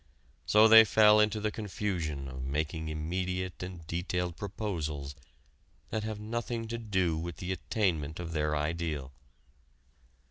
So they fell into the confusion of making immediate and detailed proposals that have nothing to do with the attainment of their ideal.